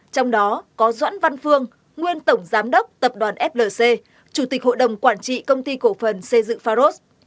trong đó có doãn văn phương nguyên tổng giám đốc tập đoàn flc chủ tịch hội đồng quản trị công ty cổ phần xây dựng pharos